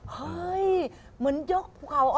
เห้ยเหมือนยกเขาออกไป